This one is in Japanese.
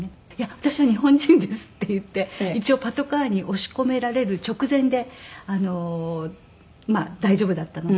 「私は日本人です」って言って一応パトカーに押し込められる直前で大丈夫だったので。